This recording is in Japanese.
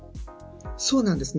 そうなんですね。